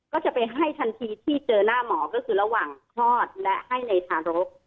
ก็จะไปให้ทันทีที่เจอหน้าหมอก็คือระหว่างคลอดและให้ในทารก